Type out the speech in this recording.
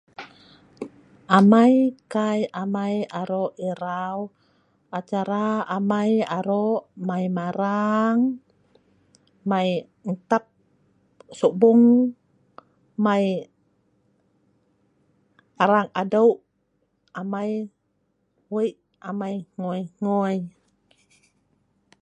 Kai amai arok erau. ACARA amai mai marang, en tap subung, arang adeu, Wei amai ngui ngui